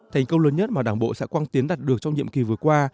thành công lớn nhất mà đảng bộ xã quang tiến đạt được trong nhiệm kỳ vừa qua